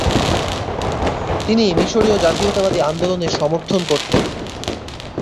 তিনি মিশরীয় জাতীয়তাবাদি আন্দোলনের সমর্থন করতেন।